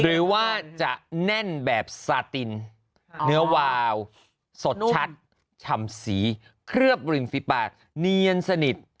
หรือว่าจะแน่นแบบซาตินเนื้อวาวสดชัดชำสีเคลือบริมฝีปากเนียนสนิท